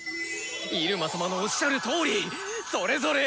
入間様のおっしゃるとおりそれぞれ！